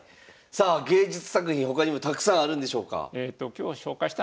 さあ芸術作品他にもたくさんあるんでしょうか？